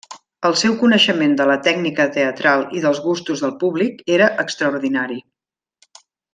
El seu coneixement de la tècnica teatral i dels gustos del públic era extraordinari.